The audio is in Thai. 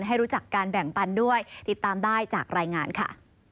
ให้รู้จักการแบ่งปันด้วยติดตามได้จากรายงานค่ะ